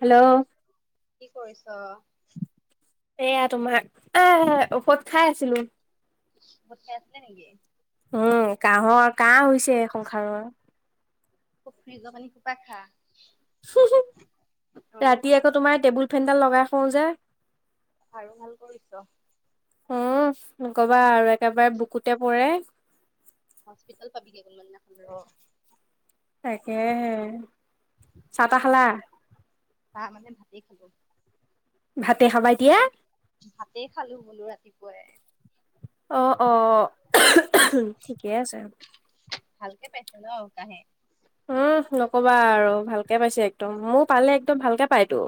Hello! কি কৰিছ? এয়া তোমাক আহ ঔষধ খাই আছিলো। ঐষদ খাইআছিলে নেকি। উম কাহৰ কাহ হৈছে সংসাৰৰ। খুব ফ্ৰিজৰ পানী খু পা খা। হি হি অ', ৰাতি খাম আকৌ তোমাৰ টেবুল ফেনডাল লগাই থ ও যে। ভাৰো ভাল কৰি দহ। উম নকবা আৰু একেবাৰে বুকুতে পৰে। হস্পিটেল পাবি গে কোন বা দিনাখন ৰ। তাকে হে চাহ- তাহ খালা। চাহ মানে ভাতে খালো। ভাতে খাবাই দিয়া। ভাতেই খালো বোলো ৰাতিপুৱাই। অ অ ঠিকেই আছে। ভালকে পাইছে ন কাহে। উম নকবা আৰু ভালকে পাইছে একদম মোৰ পালে একদম ভালকে পাইতো।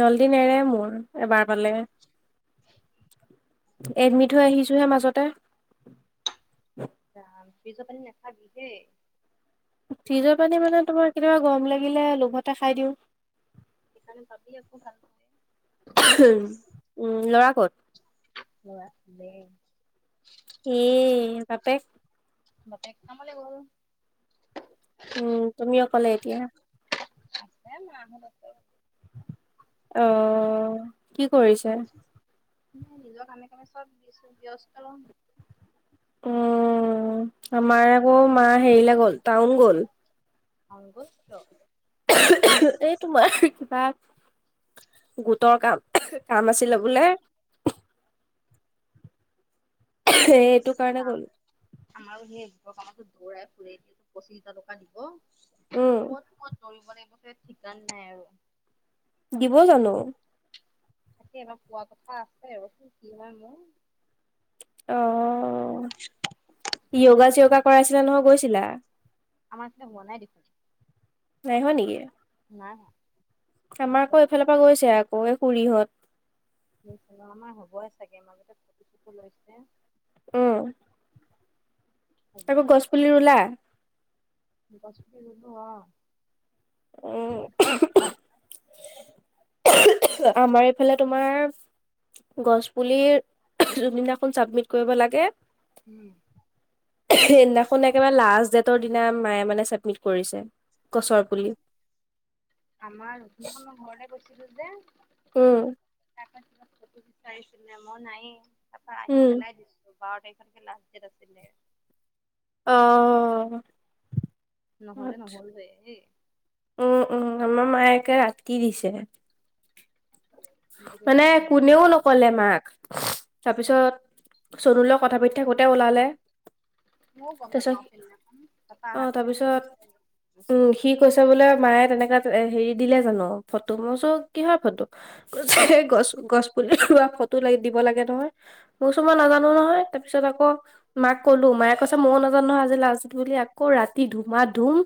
জল্দি নেৰে মোৰ এবাৰ পালে। এডমিট হৈ আহিছোহে মাজতে। ফ্ৰিজ পানী নাখাবি দেই। ফিজৰ পানী মানে তোমাৰ কেতিয়াবা গৰম লাগিলে লগতে খাই দিওঁ। সেইকাৰণে ভাবি আকৌ ভাল পওঁ। উম ল'ৰা ক'ত? পোৱা হোলে। উম বাপেক। বাপেক কাম লে গ'ল। উম তুমিও অক'লে এতিয়া। আছে মাহত আছে। অ কি কৰিছে। ম নিজৰ কামে কামে চব ব্যস্ত। উম আমাৰ আকৌ মা হেৰিলে গ'ল টাউন গ'ল। টাউন গ'ল কিয়। এই তোমাৰ কিবা গোটৰ কাম। কাম আছিলে বোলে। এইটো কাৰণে চিতধা। গ'ল আমাৰো সেইৰ কামতো দৌৰাই ফুৰে দটো পঁচিশ হাজাৰ টকা দিব। উম। ক'ত ক'ত দৌৰিবৈলে গ'লে ঠিকান নাই আৰু। দিব জানো। তাকে নো পোৱা কথা আছে কি হয় মোৰ। অ য়গা চগা কৰাইছিলে নহয় গৈছিলা। আমাৰ ফালে হোৱা নাই দেখোন। নাই হোৱা নেকি। নাই হোৱা। আমাৰ আকৌ এইফালৰ পৰা গৈছে আকৌ এই খুুৰীহঁত। আমাৰ হ'বই চাগে মাজতে ফটো চটো লৈছে। উম। হ'ব আকৌ গছ চাগে। পুলি ৰুলা? গছ পুলি ৰুলো। অঁ, উম, আমাৰ এ এইফালে তোমাৰ গছ পুলিৰ যোদিনাখন চাবমিট কৰিব লাগে, উম সেইদিনাখন একেবাৰে লাষ্ট দেট, ৰ দিনা মায়ে মানে ছাবমিট কৰিছে গছৰ পুলি। আমাৰ সেইদিনাখন মই ঘৰলে গৈছিলো যে, উম আমাৰ কিবা ফটো বিচাৰাইছিল আমাৰ নাইয়ে তাৰপা আহি উম পেলাই দিছো। বাৰ তাৰিখে লাষ্ট ডেট আছিলে। অ নহলে নহ'ল এ, উম উম আমাৰ মায়েকে ৰাতি দিছে। মানে নহ'ব কোনেও নকলে মাক, তাৰপিছত চনুৰ লগত কথা পাতি থকোতে ওলালে, মও গম তাৰপিছত নাপাও সেইদিনাখন তাৰপা অ অহাৰ পিছতহে তাৰপিছত কৈছে, উম, সি বুলি কৈছে বোলে মায়ে তেনেকা হেৰি দিলে জানো ফটো, মই কচো কিহৰ ফটো? কৈছে গছ গছ পুলি ৰোৱা ফটো লাগি দিব লাগে নহয়। মই কৈছো মই নাজানো নহয় তাৰপিছত আকৌ, মাক ক'লো মায়ে কৈছে ময়ো নাজানো নহয় আজি লাষ্ট বুলি আকৌ ৰাতি ধুমা ধুম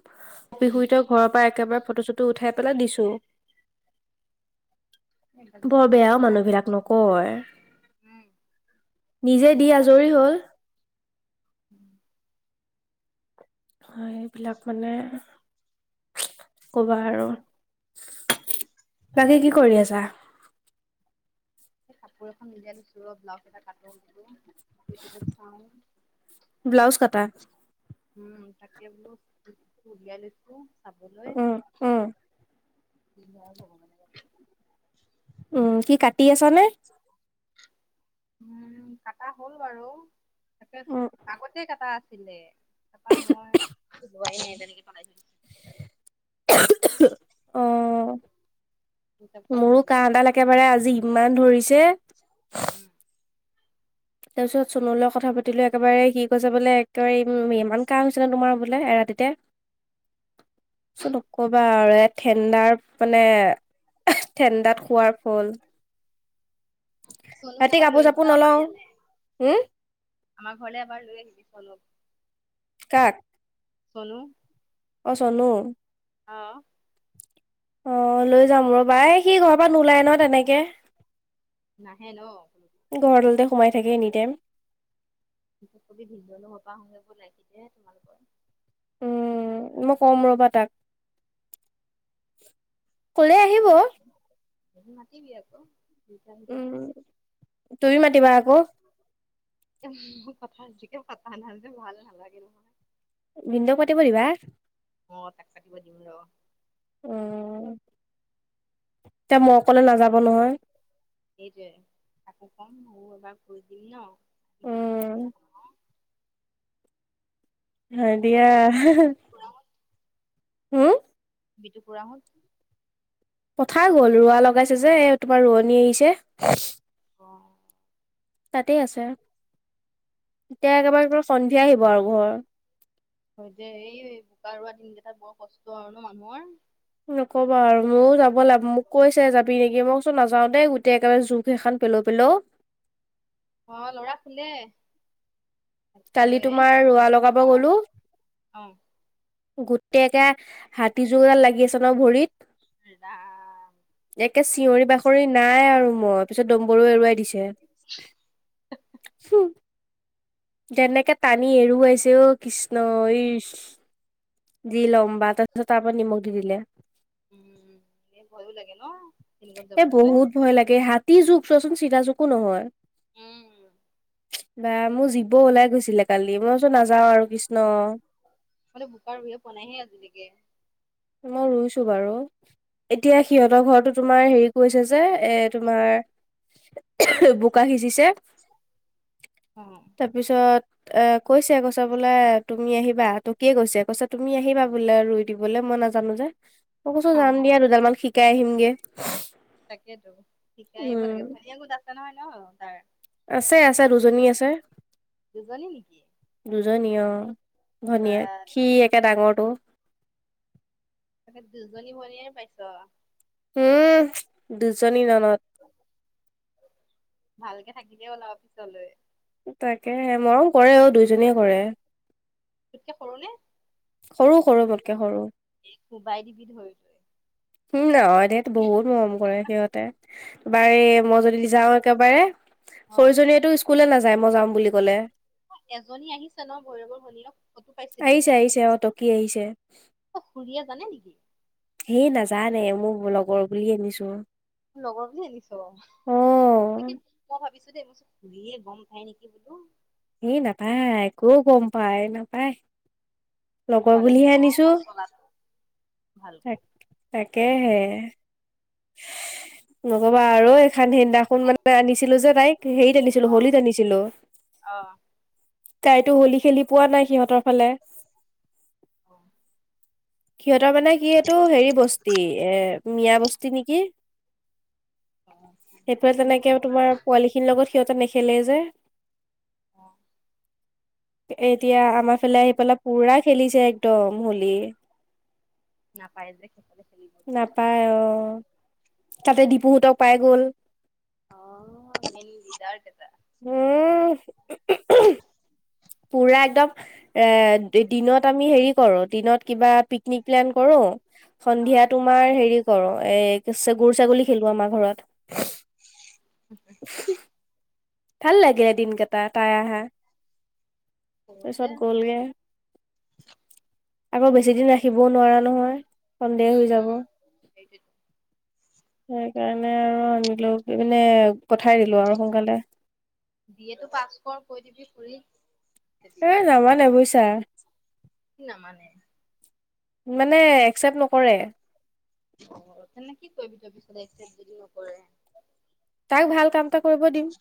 উম বিহুৰত, ঘৰৰ পৰা একেবাৰে ফটো চটো উঠাই পেলাই দিছোঁ। এইবিলাক বৰ বেয়াও জাল্লা মানুহবিলাক নকয়, নিজে দি আজৰি হল। উম এইবিলাক মানে কবা আৰু, বাকী কি কৰি আছা? সেই কাপোৰ এখন উলিয়াই লৈছো ৰ ব্লাউজ এটা কাটো বোলো ইউটিউবত চাওঁ, ব্লাউজ কাটা? উম তাকে বোলো উলিয়াই লৈছো চাবলৈ, উম, উম কি হয় ভগৱানে জানে, উম কি কাটি আছা নে? উম কাটা হ'ল বাৰু তাকে উম, আগতে কাটা আছিলে। তাৰাপা মই খুজোৱাই নাই তেনেকে পেলাই থৈছো। অ'। তাৰ পিছত মোৰো উলিয়াই কাহ ডাল একেবাৰে আজি ইমান ধৰিছে। উম তাৰপিছত চুনুলৈ কথা পাতিলো একেবাৰে সি কৈছে বোলে একেবাৰে ইমান কাহ হৈছে নে তোমাৰ বোলে এৰাতিতে। [inaudible] চোন নকবা আৰু ঠেণ্ডাৰ মানে ঠেণ্ডাত খোৱাৰ ফল। চনুক ৰাতি এবাৰ কাপোৰ লৈ চাপোৰ আহিবি অ আমাৰ নলওঁ ইয়ালে উম আমাৰ ঘৰলে এবাৰ লৈ আহিবি চনুক। কাক? চনো। অ চনো। অ'। অ লৈ যাম ৰপ বাই সি ঘৰৰ পৰা নোলায় নহই তেনেকে। নাহে ন। ঘৰৰ তলতে সোমাই থাকে এনি টাইম। প্ৰত্যেকে ভিনদৌ হতৰ ঘৰৰ পৰা আহোংগে বলা তেতিয়াহে তোমালোকৰ উম মই কম ৰ'বা তাক কলে আহিব নামাটিবি আকৌ আ উম তাবিজ তুমি মাতিবা আকৌ এ মোৰ কথাজিকে পতা নাই যে ভাল নালাগে নহয় ভিনদেউক পাতিব দিবা অ তাক পাতিব দিম ৰ। উ। এতিয়া মই কলে তাকে নাযাব নহয়। সেইটোৱে তাকো কম ময় এবাৰ কৰি দিম ন উম থাকিবি এ। হ দিয়া। হম। বিটো পুৰা হ'ল। পথাৰ গ'ল ৰোৱা লগাইছে যে এ তোমাৰ ৰোৱনী আহিছে। অ'। তাতেই আছে এতিয়া একেবাৰে একবাৰে সন্ধিয়া আহিব আৰু ঘৰ। হয় যে এই বোকা ৰোৱা দিনকেইটা বৰ কষ্ট আৰু ন মানুহৰ। নকবা আৰু ময়ো যাব লাগ মোক কৈছে যাবি নেকি মইচোন নাযাও দেই গোটেই একেবাৰে জু সেইখন পেলও পেলও। অ ল'ৰা শুলে। তাকে কালি তোমাৰ ৰোৱা লগাব গলো অ গোটেই একা হাতীযোডাল লাগি আছে ন ভৰিত। হা। একে চিঞৰি বাকৰি নাই আৰু মই পিছত দম্বৰুো এৰুৱাই দিছে। সু। কেনেকে টানি এৰুৱাইছে অ কৃষ্ণ যি লম্বাত। তছ তপান নিমগ দি দিল। উম এ ভয়ো লাগে ন। তেনেকুৱাত এ যাবলৈ বহুত ভয় লাগে হাতী জুক চোৱাচোন চিনাজুকো নহয়। উম বা মোৰ জীব ওলাই গৈছিলে কালি মইতো নাযাও আৰু কৃষ্ণ। মে বোকা ৰুইয়ে পোৱানাইহে আজিলৈকে। মই ৰুইছো বাৰু। এতিয়া সিহঁতৰ ঘৰতো তোমাৰ হেৰি কৈছে যে এ তোমাৰ বোকা সিজিছে। অ'। তাৰপিছত অ কৈছে কৈছা বোলে তুমি আহিবা তকিয়ে কৈছো কৈছা তুমি আহিবা বোলে ৰুই দিবলৈ মই নাজো জানো যে মই কচো যাম অ', দিয়া দুডাল মান শিকাই আহিমগে। তাকেতো ঠিকে আহিব উম লাগে ভনীয়ো গোট আছে নহয় ন তাৰ। আছে আছে দুজনী আছে দুজনী নেকি। দুজনী অ বা ভনীয়েক সি একে ডাঙৰটো। তাকে দুজনী ভনীয়ে পাইছ। উমঁ দুজনী নন'ত। ভালকে থাকিবি অ তই পিছলৈ। তাকেহে, মৰম কৰে অ দুইজনীয়ে কৰে। তো'তকে সৰু নে? সৰু-সৰু মোতকে সৰু। এই কোবাই দিবি ধৰি উমঁ, নহয় দে। বহুত মৰম কৰে সিহঁতে। বাৰু এই মই যদি যাওঁ একেবাৰে- অ', সৰুজনীয়েতো স্কুলে নাযায় মই যাম বুলি ক'লে। এজনী আহিছে ন' ভৈৰৱৰ ভনীয়েক। লগ পাইছিলো। আহিছে আহিছে টকি আহিছে অ খুৰীয়ে জানে নেকি? সেই নাজানে মোৰ লগৰ বুলি আনিছো। লগৰ বুলি আনিছ। অ তাকে মই ভাবিছো দেই, খুৰিয়ে গম পাই নেকি বোলো। এই নাপায়, ক'ত গম পায়, নাপায়। লগৰ বুলিহে আনিছো। ল আ [inaudible] তাকে'হে। নকবা আৰু সেইদিনাখন মানে আনিছিলো যে তাইক হেৰিত আনিছিলো হলীত আনিছিলো। অহ। তাইতো হলী খেলি পোৱা নাই সিহঁতৰ ফালে। অ [inaudible] সিহঁতৰ মানে কি এইটো হেৰি বস্তি, এ' মিয়া বস্তি নেকি। সেইফালে তেনেকে তোমাৰ পোৱালিখিনিৰ লগত সিহঁতে নেখেলে যে। অঁ। এতিয়া আমাৰ ফালে আহি পেলাই পুৰা খেলিছে একদম হলী। নাপাই যে। খেলিব যে নাপায় অঁহ', -তা'তে ডিপুহঁতক পাই গ'ল। অঁহ', সেই লিদাৰ কেইটা। উমঁ। পুৰা একদম এ' দিনত আমি হেৰি কৰো দিনত কিবা পিক- নিক প্লেন কৰো। অ সন্ধিয়া তোমাৰ হেৰি কৰো এ' গৰু, ছাগলী খেলো আমাৰ ঘৰত। [inaudible] উ [inaudible] ভাল লাগিলে দিনকেইটা, তাই আহা। সৰু যে তাৰপিছত গ'ল গে। আকৌ বেছি দিন ৰাখিবও নোৱাৰা নহয় সন্দেহ উম হৈ যাব। উম সেইটোৱেটো সেইকাৰণে আৰু আনিলো কি মানে পঠাই দিলো আৰু সোনকালে। বি এ টো পাছ কৰ কৈ দিবি খুৰীক। তেতিয়া এ' নামানে বুজিছা। কি নামানে? মানে একচেপ্ট নকৰে। অহ', তেনে কি তাই কৰিম বুলি ভাবিছে এতিয়া যদি নকৰে। তাক ভাল কাম এটা কৰিব দিম।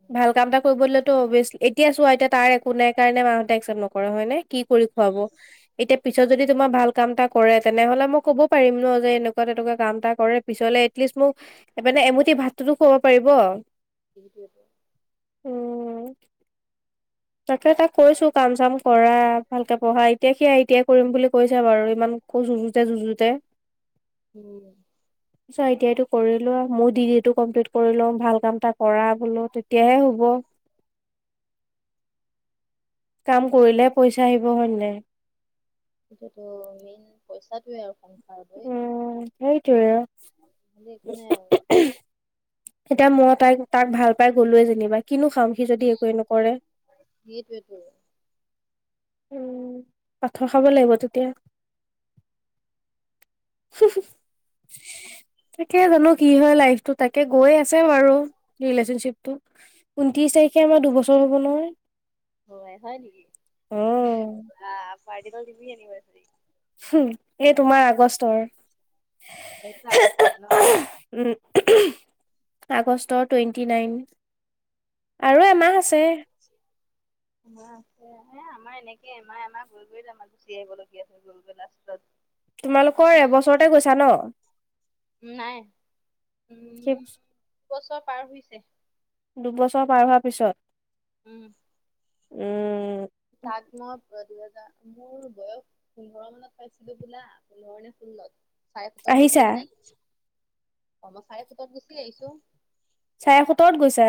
উ [inaudible] ভাল কাম এটা কৰিব দিলেতো অবিয়েচ এতিয়া চোৱা এতিয়া তাৰ একো নাই কাৰণে মাহঁতে একচেপ্ট নকৰে হয় নে। কি কৰি খুৱাব এতিয়া পিছত সেইটোৱেটো যদি। তো মই ভাল কাম এটা কৰে তেনেহলে মই ক'ব পাৰিম ন যে এনেকুৱা তেনেকুৱা কামটা। কৰে পিছলে এটলিষ্ট মোক মানে এমুঠি ভাতটোতো খুৱাব পাৰিব। সেইটোৱে ক। অ। তাকে তাক কৈছো কাম চাম কৰা ভালকে পঢ়া এতিয়া সেয়া এতিয়া কৰিম বুলি। কৈছে বাৰু ইমান কো যুঁজুতে যুঁজোতে। উম। চোৱা এতিয়ো কৰিলোৱা মোৰ ডিগ্ৰী টো কমপ্লিট কৰি লওঁ ভাল। কাম এটা কৰা বোলো তেতিয়াহে হ'ব। কাম কৰিলেহে পইচা আহিব হয় নাই। সেইটোৱে টো মেইন পইচটোৱে আৰু কম। উম সেইটোৱে উ নহ'লে একো নাই আৰু উম। এতিয়া মই তাইক তাক ভাল পাই গলোৱে যেনিবা কিনো খাাম সি যদি একোৱে নকৰে। সেইটোৱেতো। উম পাঠৰ খাব লাগিব তেতিয়া। হি হুম তাকে জানো কি হয় লাইফ। টো তাকে গৈ আছে বাৰু ৰিলেচনশ্বিপ টো। ঊনত্ৰিশ তাৰিখে আমাৰ দুবছৰ হ'ব নহয় অ। আহ পাৰ্টি ত দিবি এনিভাৰচিৰি। হুম এই তোমাৰ আগষ্টৰ এইটো হে আগষ্টত ন অ উমহ। উম উ উ আগষ্টৰ টুৱেণ্টি নাইন। আৰু এমাহ আছে। জি। আমাৰ আছে এই আমাৰ এনেকে এমাহ এমাহ গৈ গৈত আমাৰ গুচি আহিবলগীয়া হৈ গ'ল লাষ্টত। তোমালোকৰ এবছৰতে গৈছা ন। নাই উম সেই দু বছৰ পাৰ হৈছে। দুবছৰ পাৰ হোৱাৰ পিছত। উম। উম। চাগ মাহ দুহেজাৰ মোৰ বয়স। পোন্ধৰ মানত পাইছিলো বোলা পোন্ধৰ নে ষোল্লত। চাৰ ফুটত গুচি আহিছা অহা নাই নি অ মই চাৰ ফুটত গুচি আহিছো। চাৰে সোতৰত গৈছা।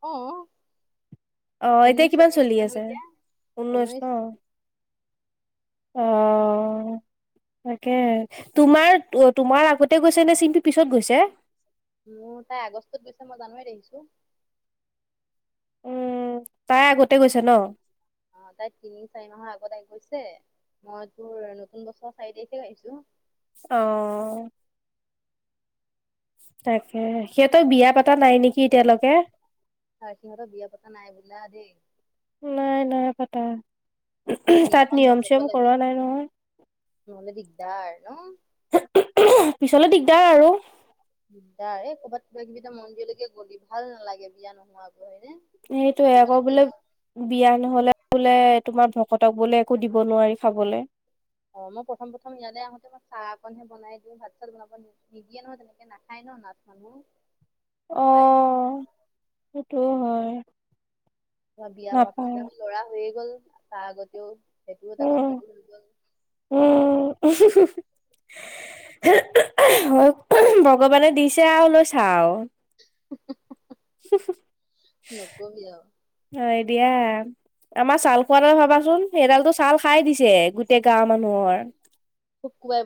অঁ। অ এতিয়া কিমান চলি মোৰ আছে এতিয়া ঊনৈশ ন। অ তাকে তোমাৰ তোমাৰ আগতে গৈছে নে চিন। মোৰ তাই আগষ্টত গৈছে মই জানোৱাৰীত আহিছো। উম তাই আগতে গৈছে ন। অ তাই তিনি চাৰি মাহৰ আগত আহ গৈছে মই তোৰ নতুন বছৰ চাৰি তাৰিখে আহিছো। অ। তাকে সিহঁতৰ বিয়া পাতা নাই নেকি এতিয়ালৈকে। ত সিহঁতৰ বিয়া পতা নাই বোলা দেই নাই নাই পাতা উম তাত বিয়াখন হৈ নিয়ম যাব চিয়ম লাগে কৰা নাই নহয় নহ'লে দিগদাৰ ন পিছলে দিগদাৰ আৰু দিদাৰ ক'ৰবাত কিবা কিবি এটা মন্দিৰলৈকে গল ভাল নালাগে বিয়া নোহোৱাকৈ হয় নে সেইটোয়ে আকৌ বোলে বিয়া মুস্কিলে। নহলে বোলে তোমাৰ ভকতক বোলে একো দিব নোৱাৰি খাবলে অ মই প্ৰথম প্ৰথম ইয়ালে আহোতে মই চাহ অকনহে বনাই দিওঁ ভাত চাত বনাব নিওঁ নিদিয়েনহয় তেনেকে নাখায় ন নাথ মানো অ সেইটো হয় মাৰ বিয়া হোৱাৰ নাপায় পিছতে আমাৰ ল'ৰা হৈয়ে গ'ল তাৰ আগতেও সেইটো এটা উম গণ্ডগোল হৈ গ'ল উম হয় ভগৱানে দিছে আৰু লৈ চা আৰু হে হে নকবি আও অ এতিয়া আমাৰ ছাল খোৱাডাল ভাবাচোন সেইডালতটো ছাল খাই দিছে গোটেই গাঁৱৰ মানুহৰ [unintelligible]